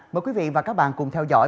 mời quý vị và các bạn cùng theo dõi